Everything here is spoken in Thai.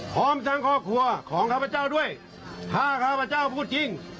พร้อมทั้งครอบครัวของข้าพเจ้าด้วยถ้าข้าพเจ้าพูดจริง